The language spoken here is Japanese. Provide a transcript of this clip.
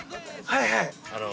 ◆はいはい。